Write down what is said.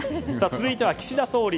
続いては岸田総理。